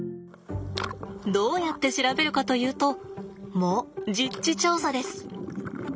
どうやって調べるかというともう実地調査です。